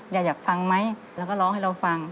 อยากฟังไหมแล้วก็ร้องให้เราฟัง